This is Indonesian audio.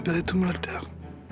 tempat itu meledak